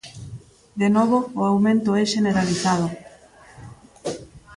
De novo o aumento é xeneralizado.